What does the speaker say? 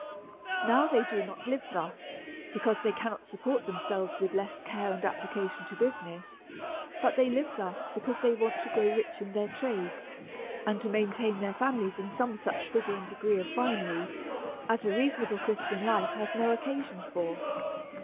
Now, they do not live thus because they cannot sup port themselves with less care and application to busi ness ; but they live thus because they want to grow rich in their trades, and to maintain their families in some such figure and degree of finery as a reasonable Christian life has no occasion for.